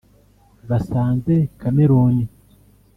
basanze Cameroon